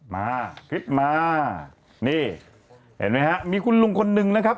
มาคลิปมานี่เห็นไหมฮะมีคุณลุงคนนึงนะครับ